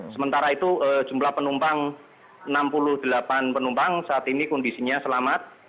sementara itu jumlah penumpang enam puluh delapan penumpang saat ini kondisinya selamat